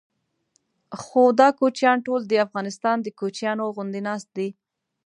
خو دا کوچیان ټول د افغانستان د کوچیانو غوندې ناست دي.